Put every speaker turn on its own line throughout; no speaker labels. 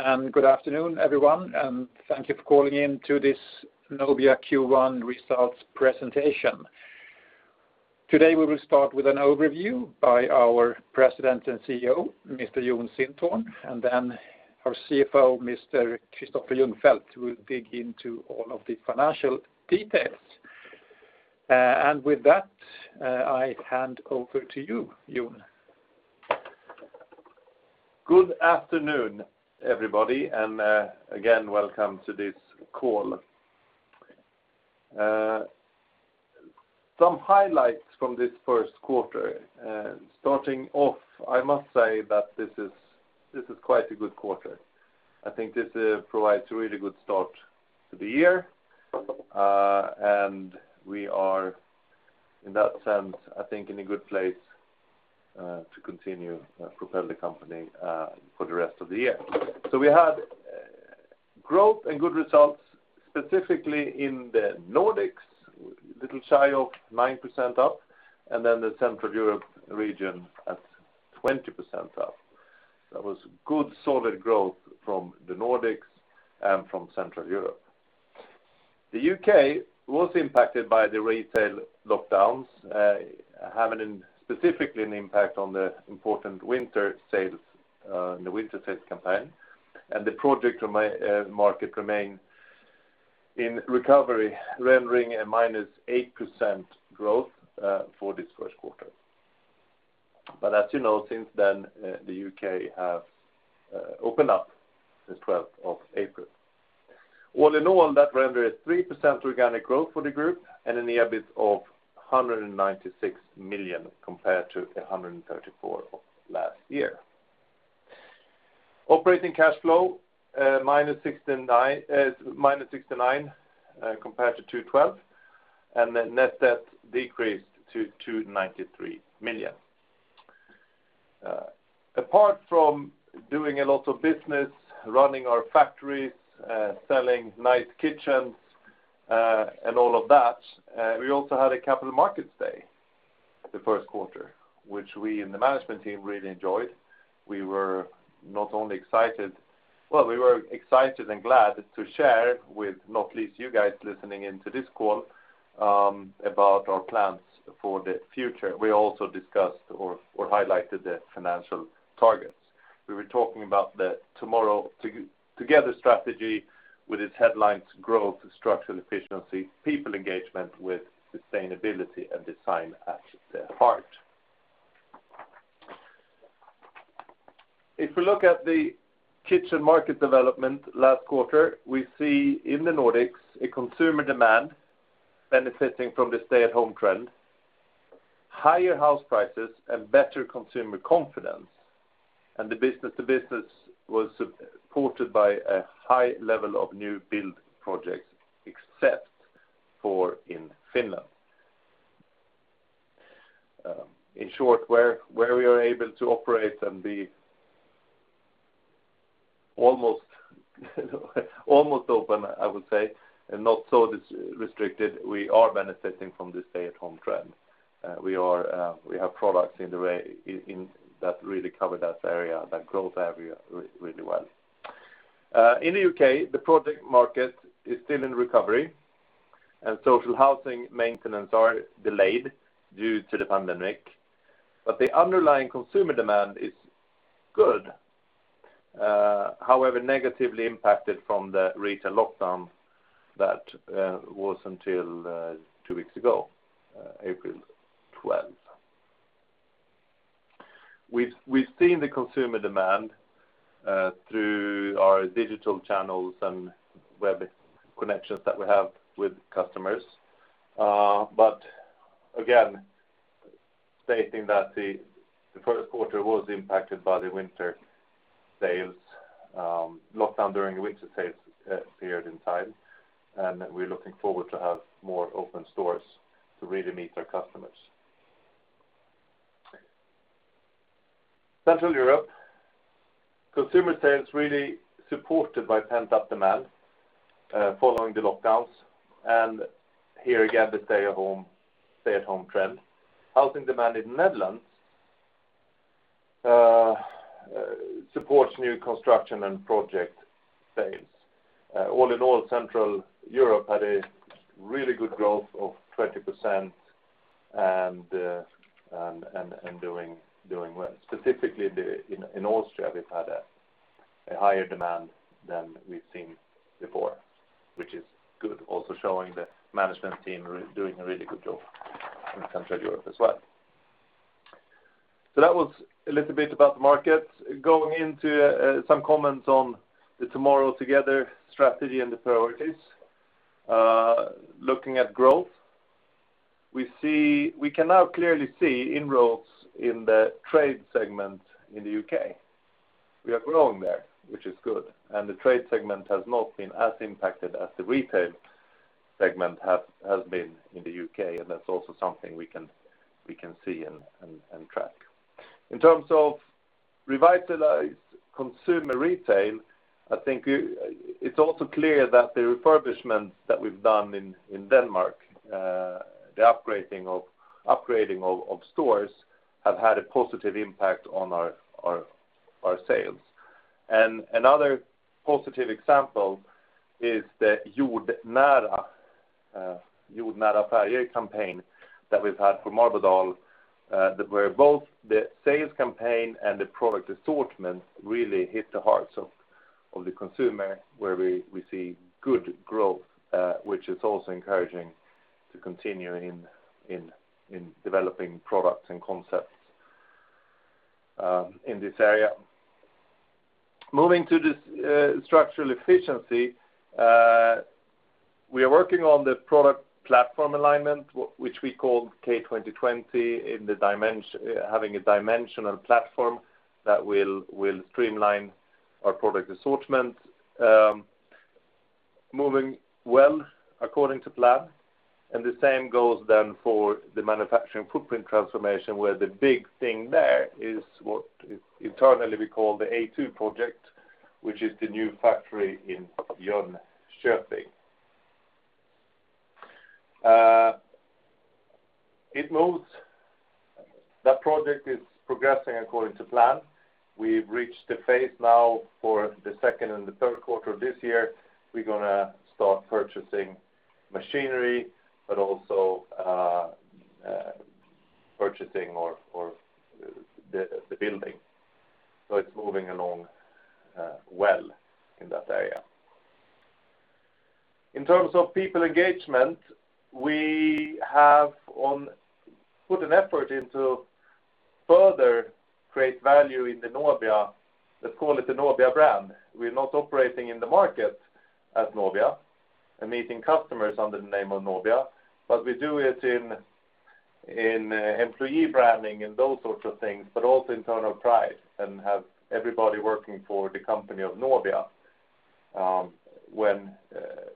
Hello, and good afternoon, everyone. Thank you for calling in to this Nobia Q1 Results Presentation. Today, we will start with an overview by our President and CEO, Mr. Jon Sintorn, and then our CFO, Mr. Kristoffer Ljungfelt, will dig into all of the financial details. With that, I hand over to you, Jon.
Good afternoon, everybody, and again, welcome to this call. Some highlights from this first quarter. Starting off, I must say that this is quite a good quarter. I think this provides a really good start to the year. We are, in that sense, I think, in a good place to continue to propel the company for the rest of the year. We had growth and good results, specifically in the Nordics, a little shy of 9% up, and then the Central Europe region at 20% up. That was good, solid growth from the Nordics and from Central Europe. The U.K. was impacted by the retail lockdowns, having specifically an impact on the important winter sales campaign. The project market remained in recovery, rendering a -8% growth for this first quarter. As you know, since then, the U.K. has opened up since the 12th of April. All in all, that rendered 3% organic growth for the group and an EBIT of 196 million compared to 134 million of last year. Operating cash flow was -69 million compared to 212 million. The net debt decreased to 293 million. Apart from doing a lot of business, running our factories, selling nice kitchens, and all of that, we also had a Capital Markets Day in the first quarter, which we in the management team really enjoyed. We were excited and glad to share with you guys listening in to this call, not least of all, our plans for the future. We also discussed or highlighted the financial targets. We were talking about the Tomorrow Together strategy with its headlines: Growth, Structural Efficiency, and People Engagement with Sustainability and Design at the heart. If we look at the kitchen market development last quarter, we see in the Nordics a consumer demand benefiting from the stay-at-home trend, higher house prices, and better consumer confidence. The business-to-business was supported by a high level of new build projects, except for Finland. In short, where we are able to operate and be almost open, I would say, and not so restricted, we are benefiting from the stay-at-home trend. We have products that really cover that growth area really well. In the U.K., the project market is still in recovery, and social housing maintenance is delayed due to the pandemic. The underlying consumer demand is good. However, it was negatively impacted by the retail lockdown that was until two weeks ago, April 12th. We've seen the consumer demand through our digital channels and web connections that we have with customers. again, stating that the first quarter was impacted by the lockdown during the winter sales period in time, and we're looking forward to having more open stores to really meet our customers. Central Europe. Consumer sales were really supported by pent-up demand following the lockdowns and, here again, the stay-at-home trend. Housing demand in the Netherlands supports new construction and project sales. All in all, Central Europe had a really good growth of 20% and is doing well. Specifically in Austria, we've had a higher demand than we've seen before, which is good, also showing the management team doing a really good job in Central Europe as well. That was a little bit about the market. Going into some comments on the Tomorrow Together strategy and the priorities. Looking at growth, we can now clearly see inroads in the trade segment in the U.K. We are growing there, which is good. The trade segment has not been as impacted as the retail segment has been in the U.K., and that's also something we can see and track. In terms of revitalizing consumer retail. I think it's also clear that the refurbishment that we've done in Denmark, the upgrading of stores, has had a positive impact on our sales. Another positive example is the Jordnära Färger campaign that we've had for Marbodal, where both the sales campaign and the product assortment really hit the hearts of the consumer, where we see good growth, which is also encouraging to continue developing products and concepts in this area. Moving to the structural efficiency, we are working on the product platform alignment, which we call K2020, having a dimensional platform that will streamline our product assortment. Moving well according to plan. The same goes then for the manufacturing footprint transformation, where the big thing there is what internally we call the A2 project, which is the new factory in Jönköping. That project is progressing according to plan. We've reached the phase now for the second and third quarters of this year, we're going to start purchasing machinery but also purchase the building. It's moving along well in that area. In terms of people engagement, we have put an effort into further creating value in the Nobia, let's call it the Nobia brand. We're not operating in the market as Nobia and meeting customers under the name of Nobia, but we do it in employee branding and those sorts of things, but also internal pride and having everybody working for the company of Nobia,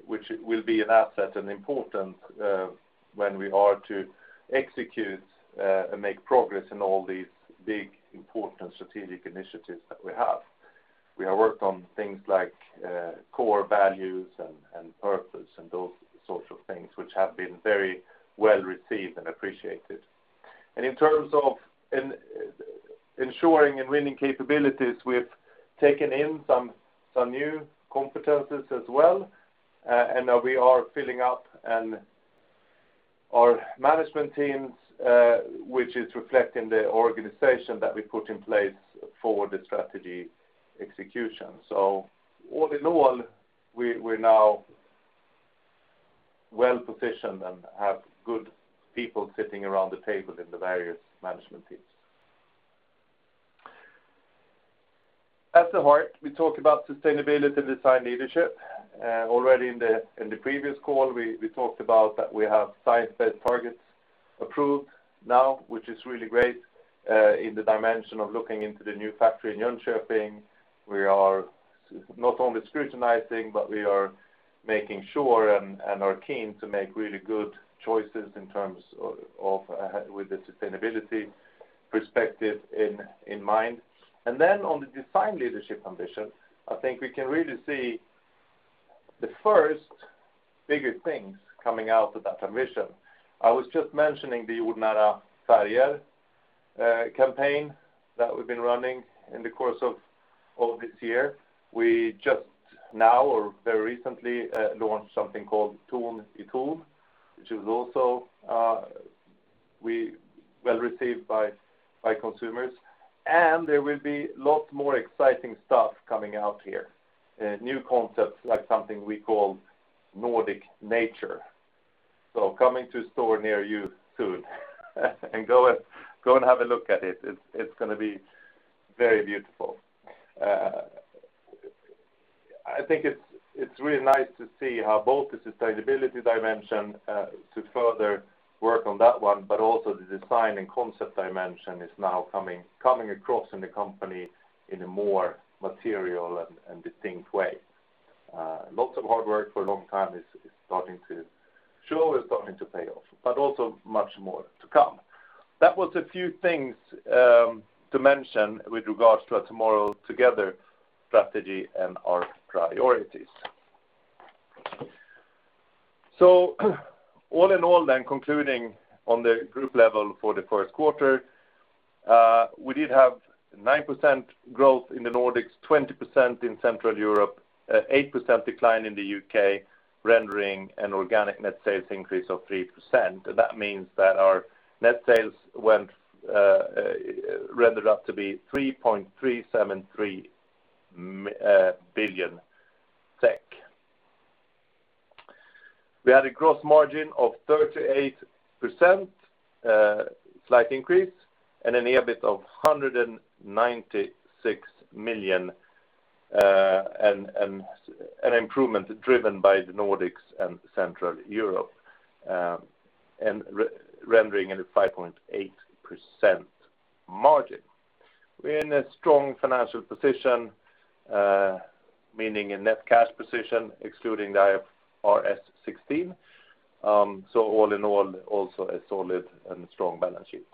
which will be an asset and important when we are to execute and make progress in all these big, important strategic initiatives that we have. We have worked on things like core values and purpose and those sorts of things, which have been very well-received and appreciated. In terms of ensuring and winning capabilities, we have taken in some new competencies as well, and we are filling up our management teams, which is reflecting the organization that we put in place for the strategy execution. All in all, we're now well-positioned and have good people sitting around the table in the various management teams. At the heart, we talk about sustainable design leadership. Already in the previous call, we talked about how we have science-based targets approved now, which is really great in the dimension of looking into the new factory in Jönköping. We are not only scrutinizing, but we are also making sure and are keen to make really good choices in terms of the sustainability perspective in mind. On the design leadership ambition, I think we can really see the first bigger things coming out of that ambition. I was just mentioning the Jordnära Färger campaign that we've been running in the course of this year. We just now, or very recently, launched something called Ton i Ton, which is also well received by consumers. There will be lots more exciting stuff coming out here. New concepts like something we call Nordic Nature. Coming to a store near you soon. Go and have a look at it. It's going to be very beautiful. I think it's really nice to see how both the sustainability dimension, to further work on that one, and also the design and concept dimension are now coming across in the company in a more material and distinct way. Lots of hard work for a long time is surely starting to pay off, but also much more to come. Those were a few things to mention with regard to our Tomorrow Together strategy and our priorities. All in all, then, concluding on the group level for the first quarter, we did have 9% growth in the Nordics, 20% in Central Europe, and an 8% decline in the U.K., rendering an organic net sales increase of 3%. That means that our net sales rendered were SEK 3.373 billion. We had a gross margin of 38%, a slight increase, and an EBIT of 196 million, an improvement driven by the Nordics and Central Europe, rendering a 5.8% margin. We're in a strong financial position, meaning a net cash position excluding IFRS 16. All in all, also a solid and strong balance sheet.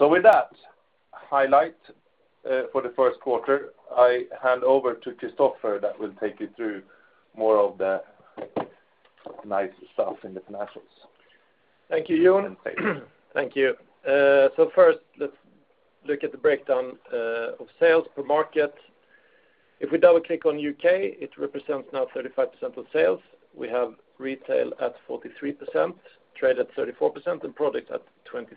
With that highlight for the first quarter, I hand over to Kristoffer, who will take you through more of the nice stuff in the financials.
Thank you, Jon.
Thank you.
Thank you. First, let's look at the breakdown of sales per market. If we double-click on the U.K., it represents now 35% of sales. We have retail at 43%, trade at 34%, and product at 23%.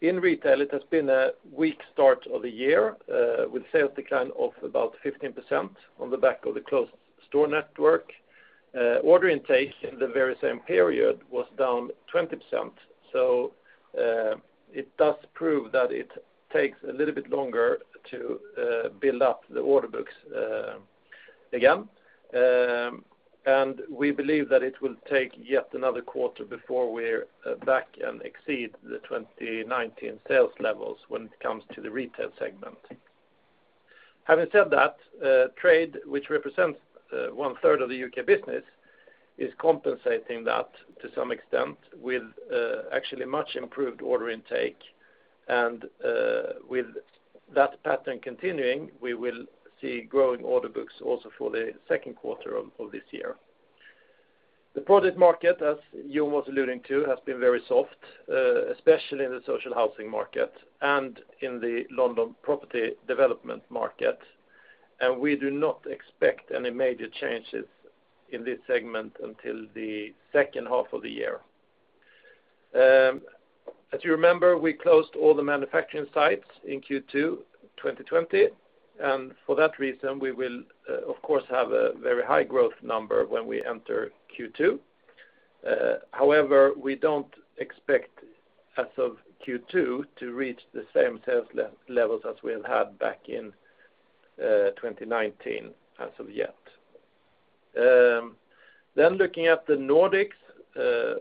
In retail, it has been a weak start of the year with a sales decline of about 15% on the back of the closed store network. Order intake in the very same period was down 20%. It does prove that it takes a little bit longer to build up the order books again. We believe that it will take yet another quarter before we're back to and exceed the 2019 sales levels when it comes to the retail segment. Having said that, trade, which represents one-third of the U.K. business, is compensating that to some extent with actually much improved order intake. With that pattern continuing, we will see growing order books also for the second quarter of this year. The product market, as Jon was alluding to, has been very soft, especially in the social housing market and in the London property development market. We do not expect any major changes in this segment until the second half of the year. As you remember, we closed all the manufacturing sites in Q2 2020. For that reason, we will, of course, have a very high growth number when we enter Q2. However, as of Q2, we don't expect as of Q2 to reach the same sales levels as we had back in 2019 as yet. Looking at the Nordics,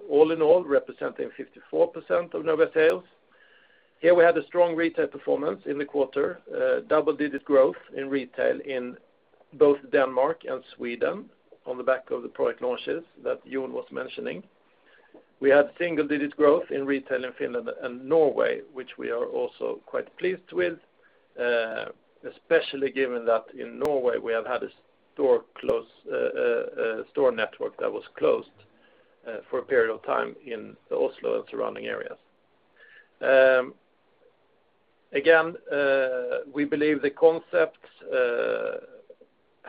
all in all, representing 54% of Nobia's sales. Here we had a strong retail performance in the quarter, double-digit growth in retail in both Denmark and Sweden on the back of the product launches that Jon was mentioning. We had single-digit growth in retail in Finland and Norway, which we are also quite pleased with, especially given that in Norway we have had a store network that was closed for a period of time in Oslo and surrounding areas. Again, we believe the concepts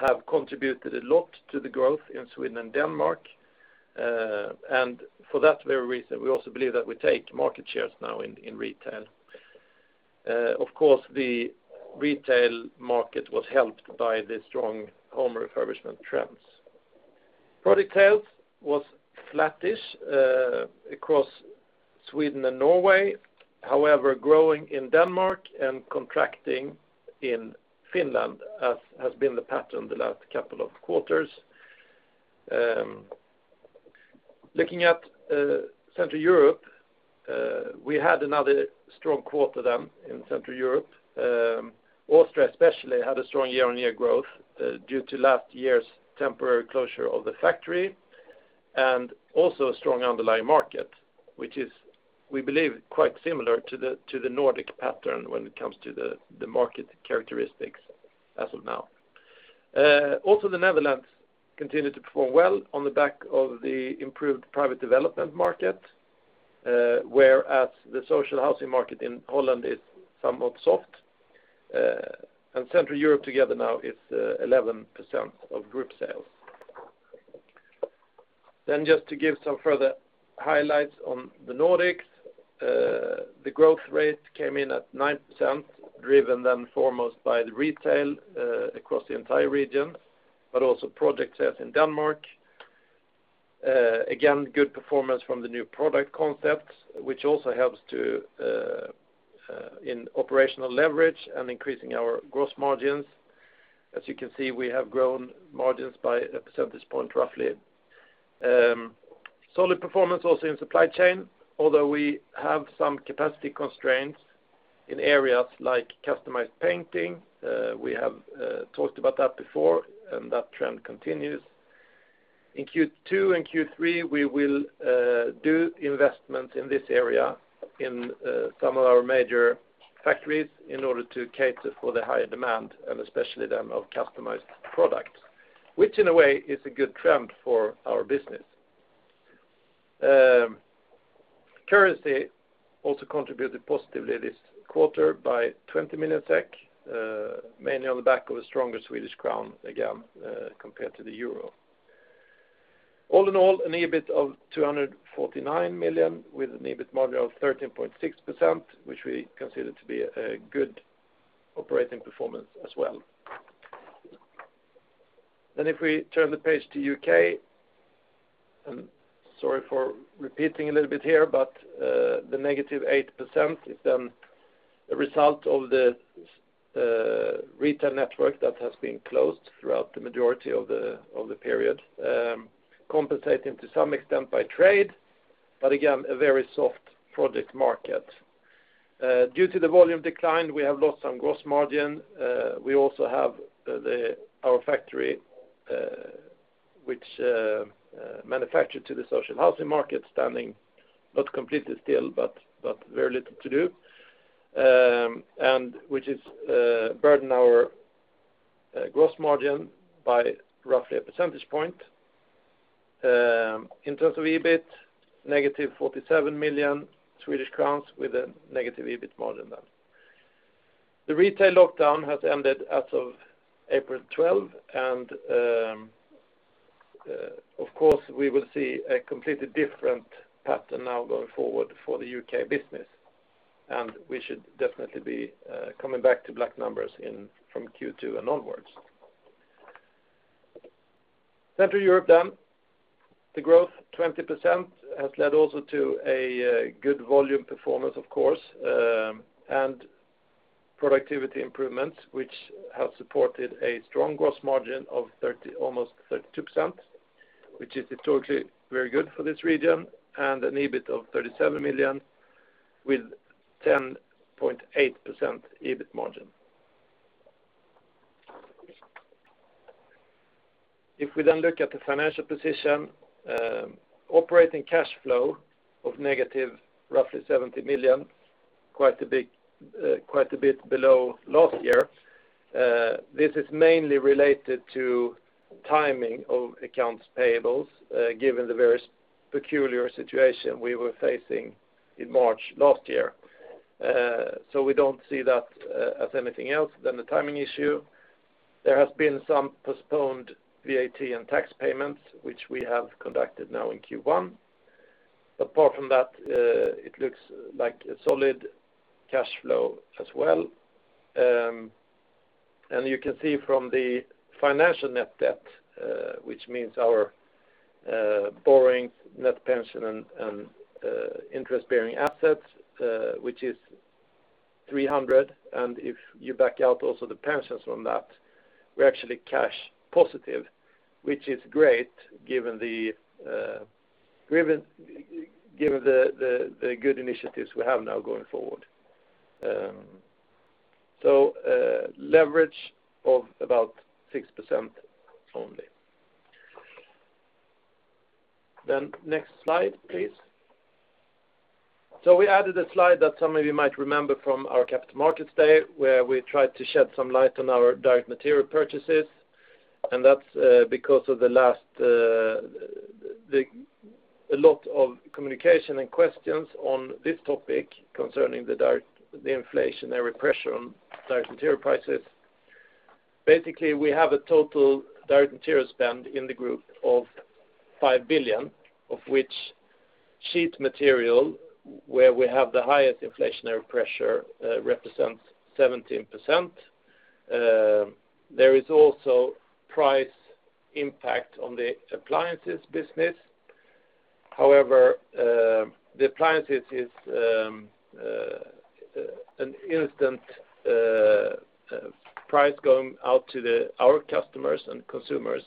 have contributed a lot to the growth in Sweden and Denmark, and for that very reason, we also believe that we take market shares now in retail. Of course, the retail market was helped by the strong home refurbishment trends. Product sales were flattish across Sweden and Norway, however, growing in Denmark and contracting in Finland, as has been the pattern the last couple of quarters. Looking at Central Europe, we had another strong quarter there in Central Europe. Austria especially had strong year-on-year growth due to last year's temporary closure of the factory and also a strong underlying market, which is, we believe, quite similar to the Nordic pattern when it comes to the market characteristics as of now. Also, the Netherlands continued to perform well on the back of the improved private development market, whereas the social housing market in Holland is somewhat soft. Central Europe together now is 11% of group sales. Just to give some further highlights on the Nordics. The growth rate came in at 9%, driven first and foremost by retail across the entire region, but also project sales in Denmark. Again, good performance from the new product concepts, which also helps in operational leverage and increasing our gross margins. As you can see, we have grown margins by a percentage point roughly. Solid performance also in the supply chain, although we have some capacity constraints in areas like customized painting. We have talked about that before. That trend continues. In Q2 and Q3, we will make investments in this area in some of our major factories in order to cater to the higher demand, especially for customized products, which in a way is a good trend for our business. Currency also contributed positively this quarter by 20 million, mainly on the back of a stronger Swedish crown again compared to the euro. All in all, an EBIT of 249 million with an EBIT margin of 13.6%, which we consider to be a good operating performance as well. If we turn the page to the U.K., and sorry for repeating a little bit here, the negative 8% is a result of the retail network that has been closed throughout the majority of the period, compensated to some extent by trade. Again, a very soft product market. Due to the volume decline, we have lost some gross margin. We also have our factory, which is manufactured for the social housing market, standing, not completely still, but with very little to do, and which burdens our gross margin by roughly a percentage point. In terms of EBIT, negative 47 million Swedish crowns with a negative EBIT margin, then. The retail lockdown has ended as of April 12, and of course, we will see a completely different pattern now going forward for the U.K. business, and we should definitely be coming back to black numbers from Q2 and onwards. In Central Europe, the growth of 20% has led also to a good volume performance, of course, and productivity improvements, which have supported a strong gross margin of almost 32%, which is historically very good for this region, and an EBIT of 37 million with a 10.8% EBIT margin. If we look at the financial position, operating cash flow is negative, roughly 70 million, quite a bit below last year. This is mainly related to the timing of accounts payable, given the very peculiar situation we were facing in March last year. We don't see that as anything other than a timing issue. There have been some postponed VAT and tax payments, which we have conducted now in Q1. Apart from that, it looks like a solid cash flow as well. You can see from the financial net debt, which means our borrowing net pension and interest-bearing assets, which is 300. If you back out also of the pensions from that, we're actually cash positive, which is great given the good initiatives we have now going forward. Leverage of about 6% only. Next slide, please. We added a slide that some of you might remember from our Capital Markets Day, where we tried to shed some light on our direct material purchases, and that's because of a lot of communication and questions on this topic concerning the inflationary pressure on direct material prices. Basically, we have a total direct material spend in the group of 5 billion, of which sheet material, where we have the highest inflationary pressure, represents 17%. There is also price impact on the appliances business. However, the appliances are an instant price going out to our customers and consumers,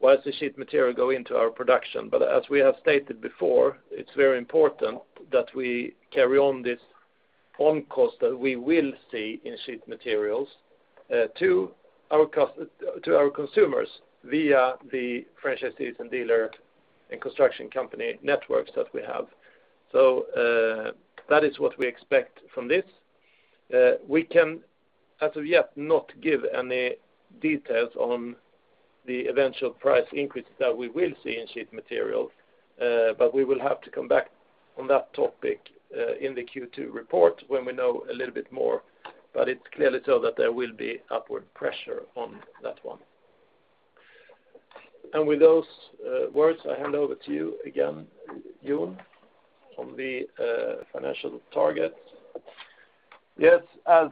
while the sheet material goes into our production. As we have stated before, it's very important that we carry on this on-cost that we will see in sheet materials to our consumers via the franchisees and dealer and construction company networks that we have. That is what we expect from this. We can, as of yet, not give any details on the eventual price increases that we will see in sheet materials, but we will have to come back to that topic in the Q2 report when we know a little bit more. It's clearly told that there will be upward pressure on that one. With those words, I hand over to you again, Jon, on the financial targets.
Yes. As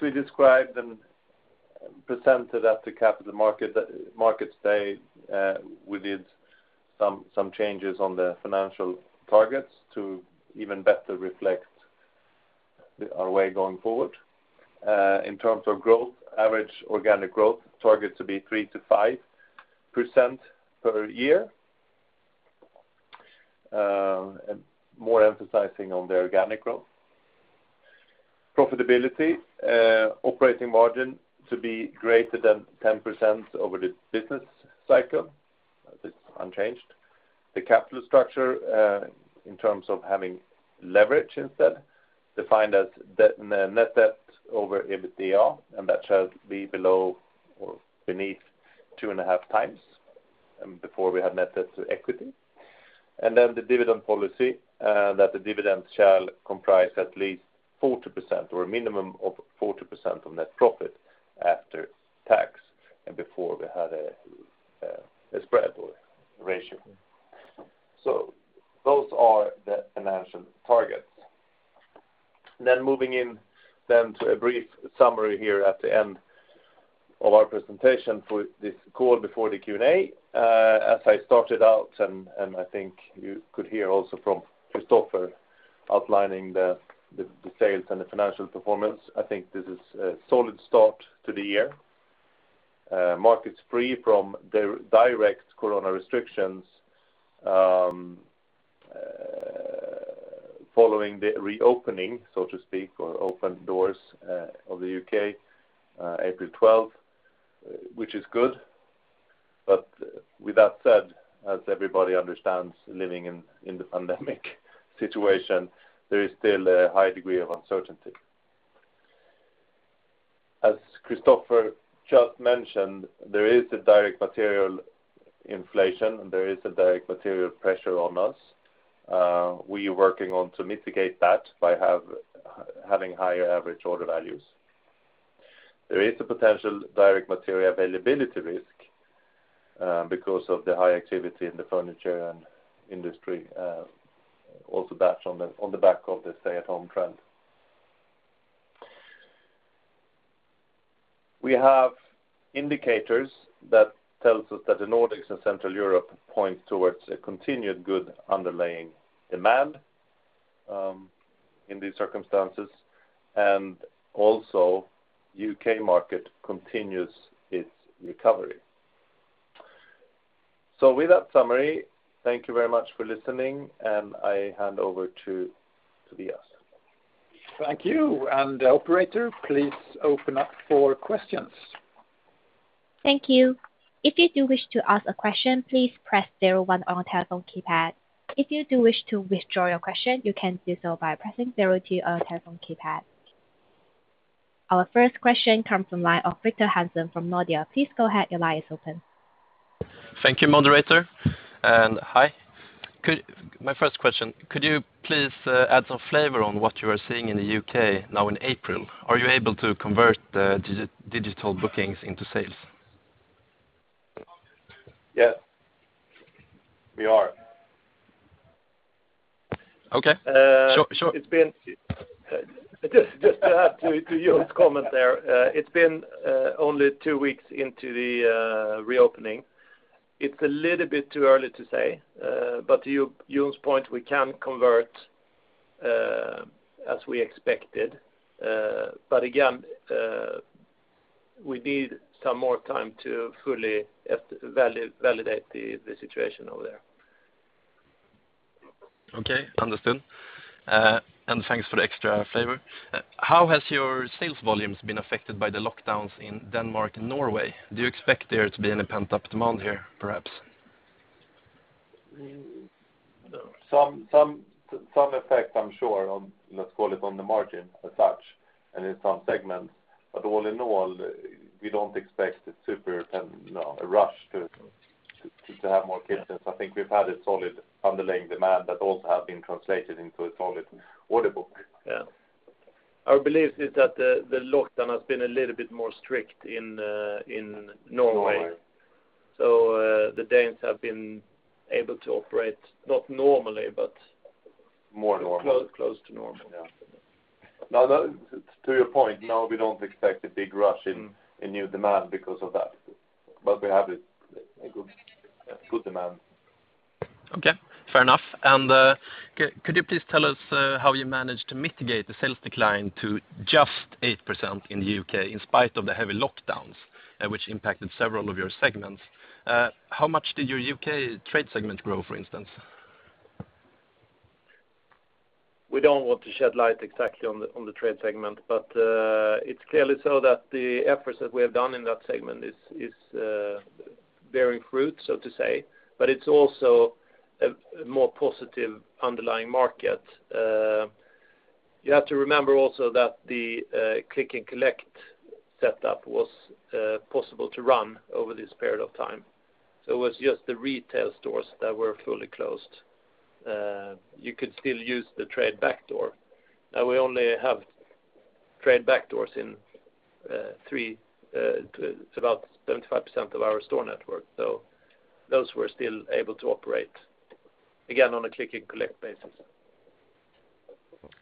we described and presented at the Capital Markets Day, we made some changes to the financial targets to even better reflect our way going forward. In terms of growth, the average organic growth target is to be 3%-5% per year. More emphasis on the organic growth. Profitability: operating margin to be greater than 10% over the business cycle. That's unchanged. The capital structure, in terms of having leverage instead, is defined as net debt over EBITDA. That shall be below or beneath 2.5x. Before, we had net debt to equity. The dividend policy states that the dividend shall comprise at least 40%, or a minimum of 40%, of net profit after tax. Before, we had a spread ratio. Those are the financial targets. Moving in then to a brief summary here at the end of our presentation for this call before the Q&A. As I started out, and I think you could hear also from Kristoffer outlining the sales and the financial performance, I think this is a solid start to the year, with markets free from direct corona restrictions following the reopening, so to speak, or open doors of the U.K. on April 12th, which is good. With that said, as everybody understands, living in the pandemic situation, there is still a high degree of uncertainty. As Kristoffer just mentioned, there is a direct material inflation, and there is a direct material pressure on us. We are working to mitigate that by having higher average order values. There is a potential direct material availability risk because of the high activity in the furniture industry, also on the back of the stay-at-home trend. We have indicators that tell us that the Nordics and Central Europe point towards a continued good underlying demand in these circumstances, and also the U.K. market continues its recovery. With that summary, thank you very much for listening, and I hand over to Tobias.
Thank you. Operator, please open up for questions.
Thank you. If you do wish to ask a question, please press zero one on your telephone keypad. If you do wish to withdraw your question, you can do so by pressing zero two on your telephone keypad. Our first question comes from the line of Victor Hansen from Nordea. Please go ahead, your line is open.
Thank you, moderator, and hi. My first question, could you please add some flavor on what you are seeing in the U.K. now in April? Are you able to convert the digital bookings into sales?
Yes. We are.
Okay. Sure.
Just to add to Jon's comment there. It's been only two weeks into the reopening. It's a little bit too early to say, but to Jon's point, we can convert as we expected. Again, we need some more time to fully validate the situation over there.
Okay, understood. Thanks for the extra flavor. How have your sales volumes been affected by the lockdowns in Denmark and Norway? Do you expect there to be any pent-up demand here, perhaps?
Some effect, I'm sure on, let's call it, on the margin as such and in some segments. All in all, we don't expect a rush to have more kitchens. I think we've had a solid underlying demand that also has been translated into a solid order book.
Yeah. Our belief is that the lockdown has been a little bit more strict in Norway.
Norway.
The Danes have been able to operate, not normally.
More normal.
Close to normal.
Yeah. To your point, no, we don't expect a big rush in new demand because of that, but we have a good demand.
Okay, fair enough. Could you please tell us how you managed to mitigate the sales decline to just 8% in the U.K. in spite of the heavy lockdowns, which impacted several of your segments? How much did your U.K. trade segment grow, for instance?
We don't want to shed light exactly on the trade segment, but it's clearly so that the efforts that we have done in that segment is bearing fruit, so to say, but it's also a more positive underlying market. You have to remember also that the click-and-collect setup was possible to run over this period of time. It was just the retail stores that were fully closed. You could still use the trade backdoor. Now we only have trade backdoors in about 75% of our store network. Those were still able to operate, again, on a click-and-collect basis.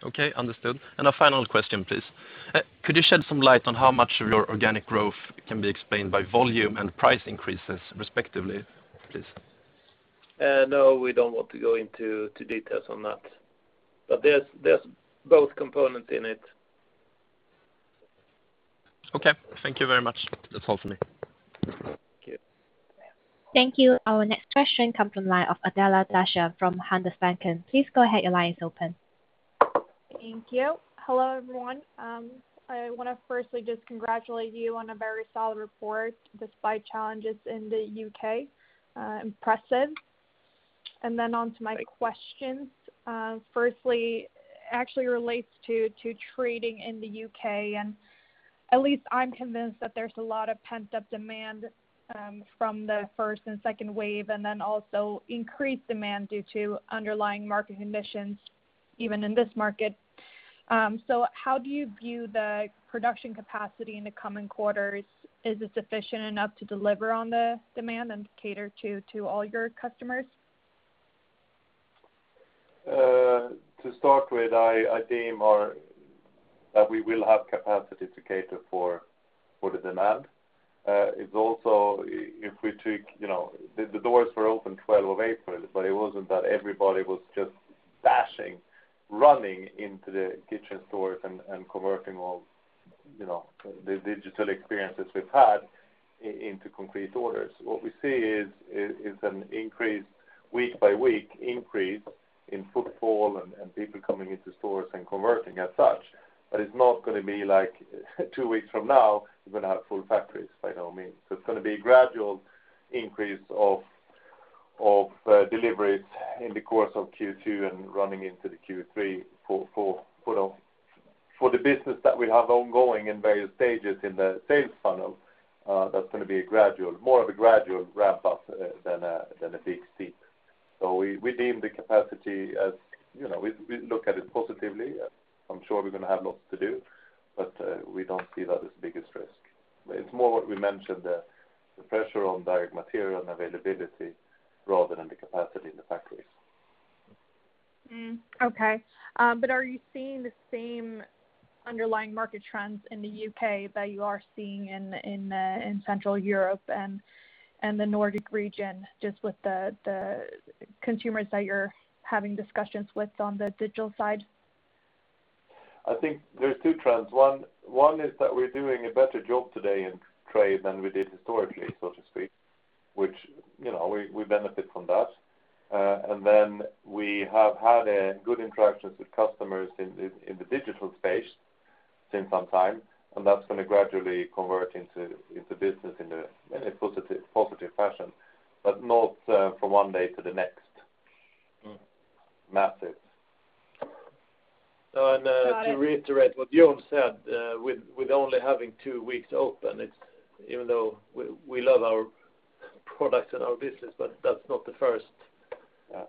Okay, understood. A final question, please. Could you shed some light on how much of your organic growth can be explained by volume and price increases, respectively, please?
No, we don't want to go into details on that. There are both components in it.
Okay. Thank you very much. That is all for me.
Thank you.
Thank you. Our next question comes from Adela Dashian from Handelsbanken. Please go ahead. Your line is open.
Thank you. Hello, everyone. I want to firstly just congratulate you on a very solid report despite challenges in the U.K. Impressive. Onto my questions. Firstly, it actually relates to trading in the U.K., and at least I'm convinced that there's a lot of pent-up demand from the first and second waves, and then also increased demand due to underlying market conditions even in this market. How do you view the production capacity in the coming quarters? Is it sufficient enough to deliver on the demand and cater to all your customers?
To start with, I deem that we will have the capacity to cater to the demand. The doors were open 12 of April, but it wasn't that everybody was just dashing, running into the kitchen stores and converting all the digital experiences we've had into concrete orders. What we see is an increased week-by-week increase in footfall and people coming into stores and converting as such. It's not going to be like two weeks from now we're going to have full factories, by no means. It's going to be a gradual increase of deliveries in the course of Q2 and running into Q3 for the business that we have ongoing in various stages in the sales funnel, that's going to be more of a gradual ramp-up than a big steep. We deem the capacity as we look at it positively. I'm sure we're going to have lots to do, but we don't see that as the biggest risk. It's more what we mentioned, the pressure on direct material and availability, rather than the capacity in the factories.
Okay. Are you seeing the same underlying market trends in the U.K. that you are seeing in Central Europe and the Nordic region, just with the consumers that you're having discussions with on the digital side?
I think there are two trends. One is that we're doing a better job today in trade than we did historically, so to speak, which we benefit from. We have had good interactions with customers in the digital space for some time, and that's going to gradually convert into business in a positive fashion, but not from one day to the next, massively.
To reiterate what Jon said, we only have two weeks open, even though we love our products and our business, but that's not the first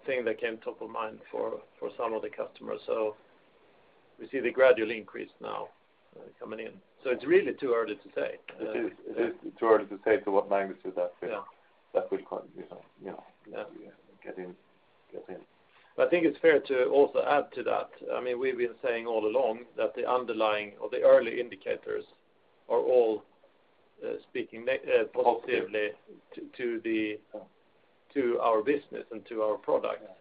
thing that came to top of mind for some of the customers. We see the gradual increase now coming in. It's really too early to say.
It is too early to say to what magnitude that will get in.
I think it's fair to also add to that. We've been saying all along that the underlying or the early indicators are all speaking positively to our business and to our products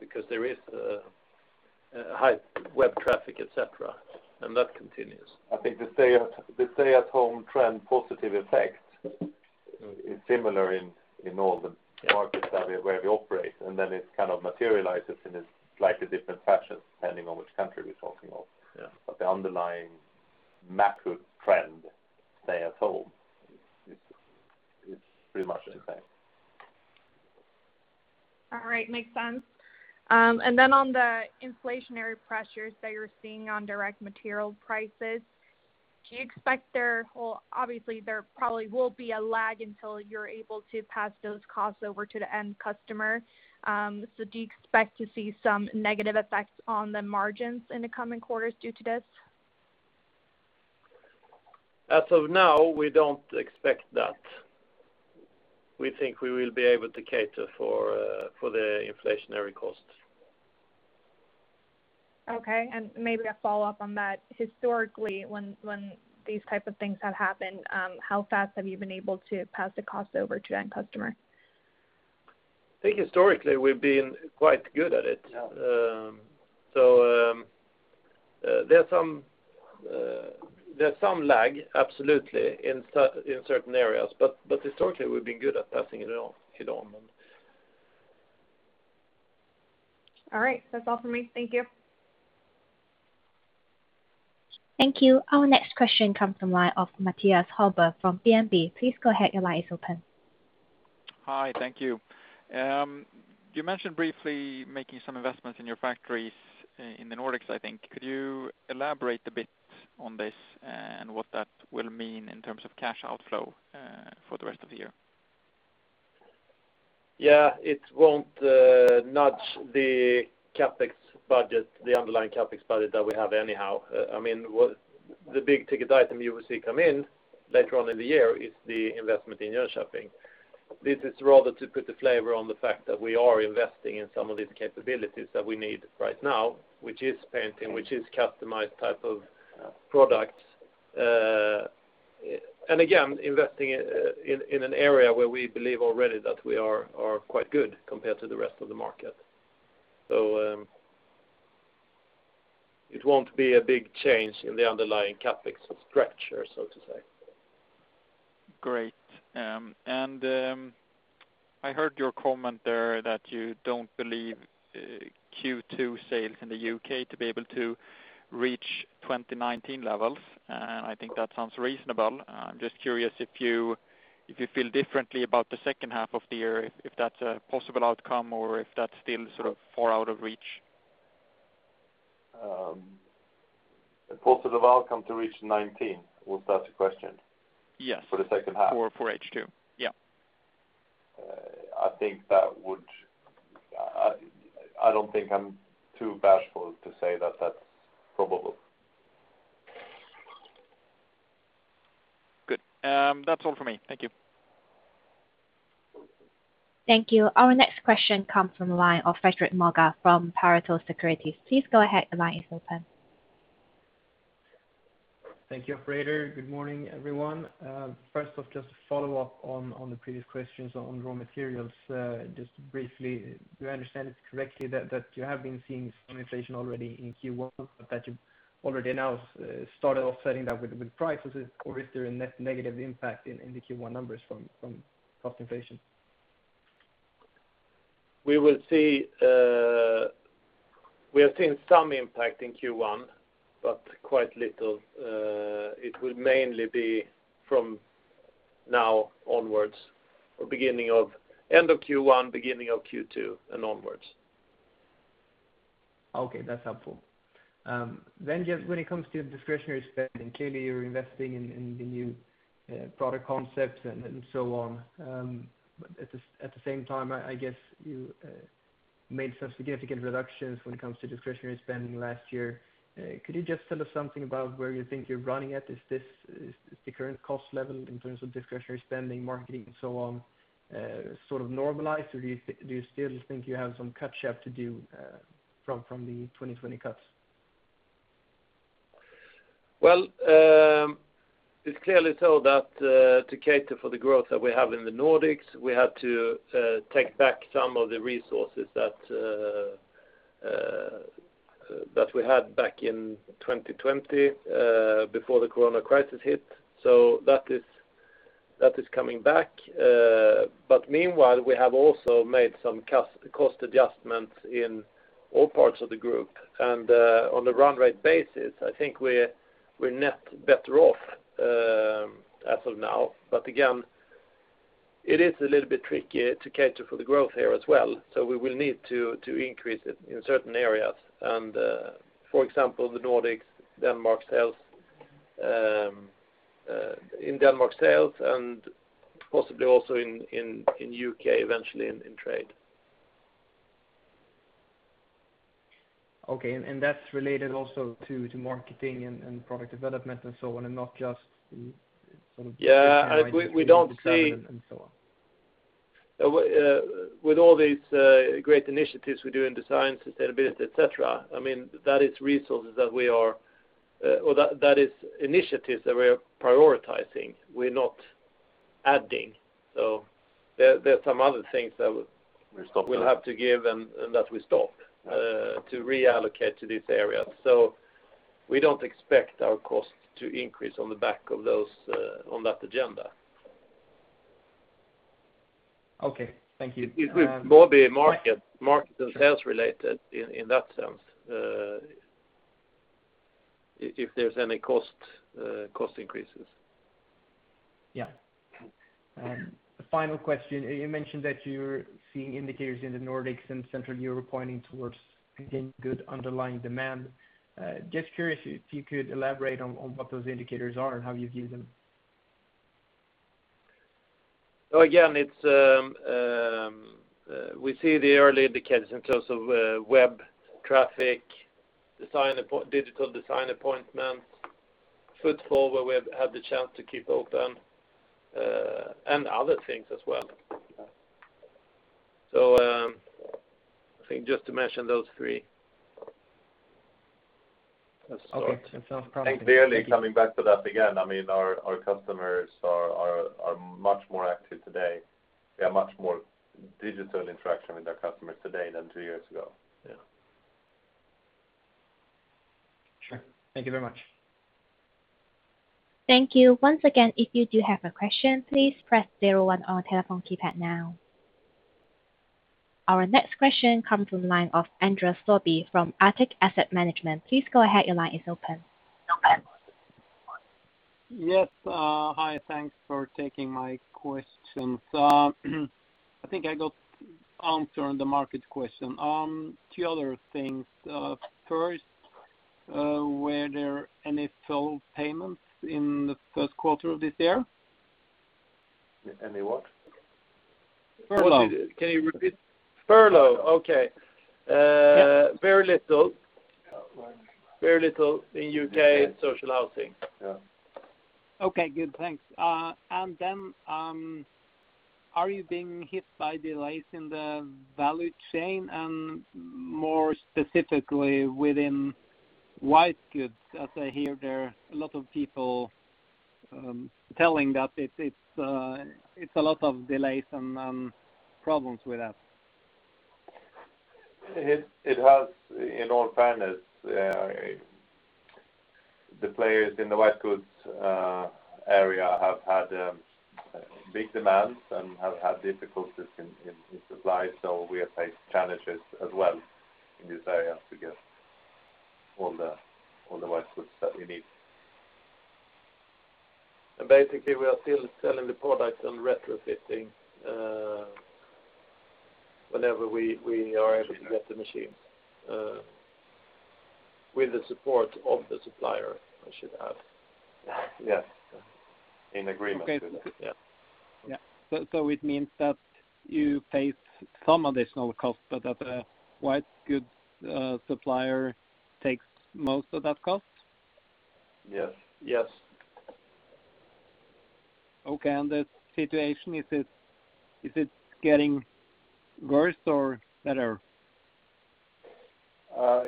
because there is high web traffic, et cetera, and that continues.
I think the stay-at-home trend positive effect is similar in all the markets where we operate, and then it kind of materializes in a slightly different fashion depending on which country we're talking of.
Yeah.
The underlying macro trend, stay at home, is pretty much the same.
All right. Makes sense. Then on the inflationary pressures that you're seeing on direct material prices, obviously there probably will be a lag until you're able to pass those costs over to the end customer. Do you expect to see some negative effects on the margins in the coming quarters due to this?
As of now, we don't expect that. We think we will be able to cater for the inflationary costs.
Okay, and maybe a follow-up on that. Historically, when these types of things have happened, how fast have you been able to pass the cost over to the end customer?
I think historically we've been quite good at it.
Yeah.
There's some lag, absolutely, in certain areas. Historically, we've been good at passing it on.
All right. That's all for me. Thank you.
Thank you. Our next question comes from the line of Mattias Holmberg from DNB. Please go ahead, your line is open.
Hi, thank you. You mentioned briefly making some investments in your factories in the Nordics, I think. Could you elaborate a bit on this and what that will mean in terms of cash outflow for the rest of the year?
Yeah, it won't nudge the underlying CapEx budget that we have anyhow. The big-ticket item you will see come in later on in the year is the investment in Jönköping. This is rather to put the flavor on the fact that we are investing in some of these capabilities that we need right now, which is painting, which is customized type of products. Again, investing in an area where we believe already that we are quite good compared to the rest of the market. It won't be a big change in the underlying CapEx stretch, so to say.
Great. I heard your comment there that you don't believe Q2 sales in the U.K. to be able to reach 2019 levels, and I think that sounds reasonable. I'm just curious if you feel differently about the second half of the year, if that's a possible outcome or if that's still sort of far out of reach.
A possible outcome to reach 2019, was that question.
Yes.
For the second half?
For H2. Yeah.
I don't think I'm too bashful to say that that's probable.
Good. That's all for me. Thank you.
Thank you. Our next question comes from the line of Frederik Moregård from Pareto Securities. Please go ahead, the line is open.
Thank you, operator. Good morning, everyone. First off, just to follow up on the previous questions on raw materials. Just briefly, do I understand it correctly that you have been seeing some inflation already in Q1, but that you have already now started offsetting that with prices? Is there a net negative impact in the Q1 numbers from cost inflation?
We have seen some impact in Q1, but quite little. It will mainly be from now onwards, or end of Q1, beginning of Q2, and onwards.
Okay, that's helpful. Just when it comes to discretionary spending, clearly you're investing in the new product concepts, and so on. At the same time, I guess you made some significant reductions when it comes to discretionary spending last year. Could you just tell us something about where you think you're running at? Is the current cost level in terms of discretionary spending, marketing, and so on sort of normalized, or do you still think you have some cuts you have to do from the 2020 cuts?
Well, it's clearly so that to cater to the growth that we have in the Nordics, we had to take back some of the resources that we had back in 2020, before the corona crisis hit. That is coming back. Meanwhile, we have also made some cost adjustments in all parts of the group. On a run rate basis, I think we're net better off as of now. Again, it is a little bit tricky to cater for the growth here as well. We will need to increase it in certain areas. For example, the Nordics in Denmark sales and possibly also in the U.K. eventually in trade.
Okay, that's related also to marketing and product development and so on—
Yeah.
...design and so on.
With all these great initiatives we do in design, sustainability, et cetera, these are initiatives that we are prioritizing. We're not adding—
We stopped.
...we'll have to give, and we stop to reallocate to this area. We don't expect our costs to increase on the back of those, on that agenda.
Okay. Thank you.
It will more be market and sales related in that sense, if there's any cost increases.
Yeah. A final question. You mentioned that you're seeing indicators in the Nordics and Central Europe pointing towards continued good underlying demand. Just curious if you could elaborate on what those indicators are and how you view them.
Again, we see the early indicators in terms of web traffic, digital design appointments, footfall, where we have had the chance to keep open, and other things as well. I think just to mention those three.
Okay. Sounds perfect.
Clearly coming back to that again, our customers are much more active today. We have much more digital interaction with our customers today than two years ago.
Yeah.
Sure. Thank you very much.
Thank you. Once again, if you do have a question, please press zero one on your telephone keypad now. Our next question comes from the line of Sindre Sørbye from Arctic Asset Management. Please go ahead, your line is open.
Yes. Hi, thanks for taking my questions. I think I got answer on the market question. Two other things. First, were there any full payments in the first quarter of this year?
Any what?
Furlough.
Can you repeat? Furlough. Okay.
Yeah.
Very little. Very little in U.K. social housing.
Yeah.
Okay, good, thanks. Are you being hit by delays in the value chain? More specifically, within white goods, as I hear, there are a lot of people saying that there are a lot of delays and problems with that.
It has, in all fairness, the players in the white goods area have had big demands and have had difficulties in supply. We have faced challenges as well in this area to get all the white goods that we need.
Basically, we are still selling the product and retrofitting whenever we are able to get the machines, with the support of the supplier, I should add.
Yes. In agreement with.
Okay.
Yeah.
Yeah. It means that you pay some additional cost, but that the white goods supplier takes most of that cost. Okay, the situation, is it getting worse or better?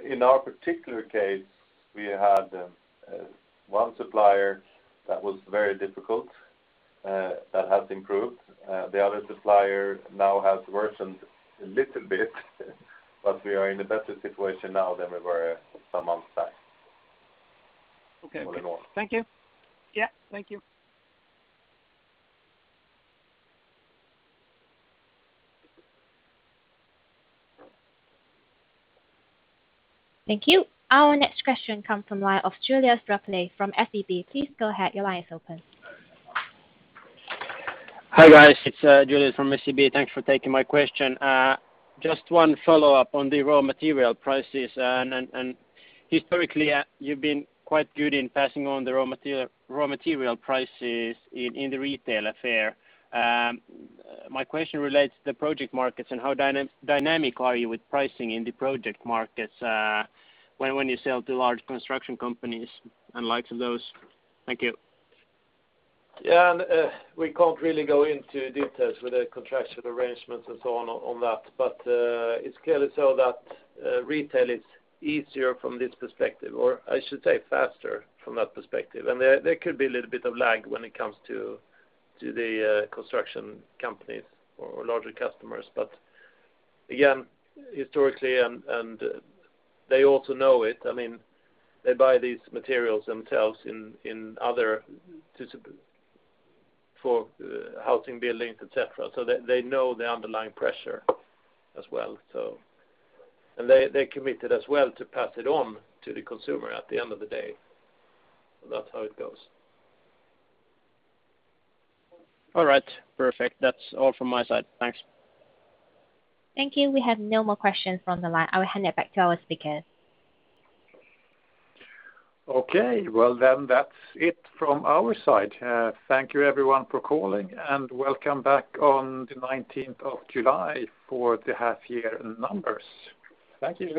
In our particular case, we had one supplier that was very difficult, that has improved. The other supplier now has worsened a little bit, but we are in a better situation now than we were some months back.
Okay.
All in all.
Thank you.
Yeah.
Thank you.
Thank you. Our next question comes from the line of Julius Rapley from SEB.
Hi, guys. It's Julius from SEB. Thanks for taking my question. Just one follow-up on the raw material prices. Historically, you've been quite good in passing on the raw material prices in the retail affair. My question relates to the project markets, and how dynamic are you with pricing in the project markets when you sell to large construction companies and the like? Thank you.
We can't really go into details with the contractual arrangements and so on that. It's clearly so that retail is easier from this perspective, or I should say, faster from that perspective. There could be a little bit of lag when it comes to the construction companies or larger customers. Again, historically, and they also know it. They buy these materials themselves for housing buildings, et cetera. They know the underlying pressure as well. They're committed as well to pass it on to the consumer at the end of the day. That's how it goes.
All right. Perfect. That's all from my side. Thanks.
Thank you. We have no more questions from the line. I will hand it back to our speakers.
Okay. Well, that's it from our side. Thank you, everyone, for calling, and welcome back on the 19th of July for the half-year numbers.
Thank you.